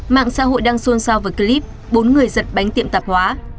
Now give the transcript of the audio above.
mạng xã hội đăng xôn xao vào clip bốn người giật bánh tiệm tạp hóa